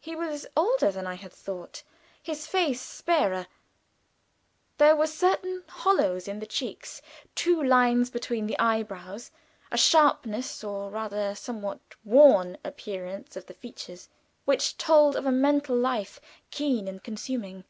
He was older than I had thought, his face sparer; there were certain hollows in the cheeks, two lines between the eyebrows, a sharpness, or rather somewhat worn appearance of the features, which told of a mental life, keen and consuming.